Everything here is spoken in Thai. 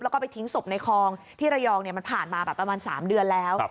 แล้วก็ไปทิ้งศพในคลองที่ระยองมันผ่านมาแบบประมาณ๓เดือนแล้ว